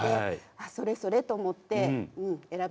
あっ、それそれ！と思って選びました。